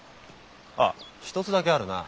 ああ１つだけあるな。